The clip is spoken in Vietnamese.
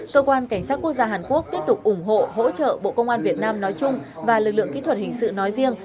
cơ quan cảnh sát quốc gia hàn quốc tiếp tục ủng hộ hỗ trợ bộ công an việt nam nói chung và lực lượng kỹ thuật hình sự nói riêng